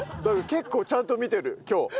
だから結構ちゃんと見てる今日。